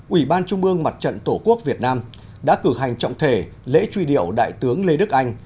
ủy ban trung mương mặt trận tổ quốc việt nam đã cử hành trọng thể lễ truy điệu đại tướng lê đức anh